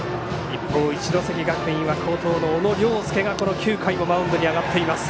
一方、一関学院は好投の小野涼介が９回もマウンドに上がっています。